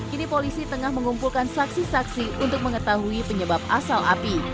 kini polisi tengah mengumpulkan saksi saksi untuk mengetahui penyebab asal api